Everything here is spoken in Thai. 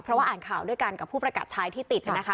เพราะว่าอ่านข่าวด้วยกันกับผู้ประกาศชายที่ติดนะคะ